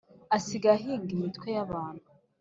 asigaye ahinga imitwe y’abantu